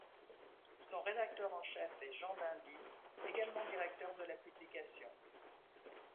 Son rédacteur en chef est Jean d'Indy, également directeur de la publication.